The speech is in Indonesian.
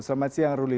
selamat siang ruli